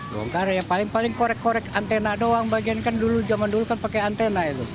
donggara yang paling paling korek korek antena doang bagian kan dulu zaman dulu kan pakai antena itu